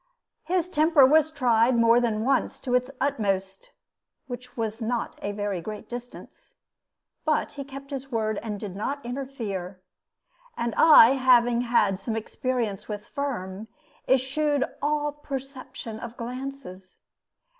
His temper was tried more than once to its utmost which was not a very great distance but he kept his word, and did not interfere; and I having had some experience with Firm, eschewed all perception of glances.